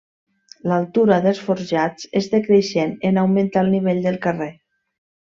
L'altura dels forjats és decreixent en augmentar el nivell del carrer.